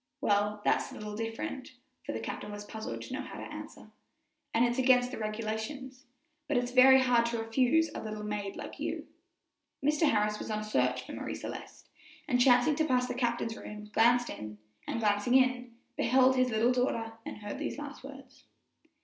"Well, that's a little different," for the captain was puzzled to know how to answer, "and it's against the regulations; but it's very hard to refuse a little maid like you." Mr. Harris was on a search for Marie Celeste, and chancing to pass the captain's room, glanced in, and glancing in, beheld his little daughter, and heard these last words.